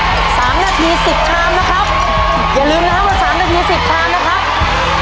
๓นาที๑๐ชามนะครับอย่าลืมนะครับว่า๓นาที๑๐ชามนะครับ